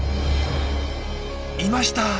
いました！